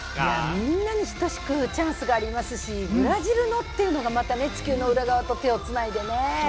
みんなに等しくチャンスがありますし、ブラジルのっていうのがまた地球の裏側と手を繋いでね。